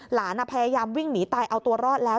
หลานพยายามวิ่งหนีตายเอาตัวรอดแล้ว